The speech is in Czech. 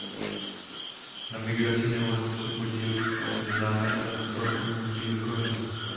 Na migraci neuronů se podílí neznámé transportní bílkoviny.